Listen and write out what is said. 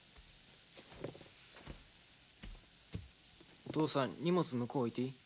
お父さん荷物向こう置いていい？